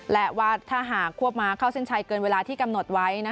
และว่าถ้าหากควบม้าเข้าเส้นชัยเกินเวลาที่กำหนดไว้